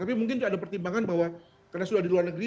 tapi mungkin ada pertimbangan bahwa karena sudah di luar negeri